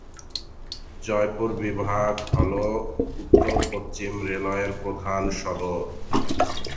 জয়পুর বিভাগ হলো উত্তর পশ্চিম রেলওয়ের প্রধান সদর।